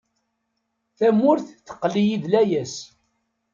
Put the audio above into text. Tamurt teqqel-iyi d layas.